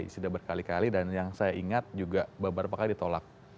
sudah berkali kali dan yang saya ingat juga beberapa kali ditolak